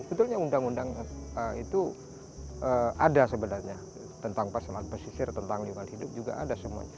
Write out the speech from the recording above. sebetulnya undang undang itu ada sebenarnya tentang pasaman pesisir tentang lingkungan hidup juga ada semuanya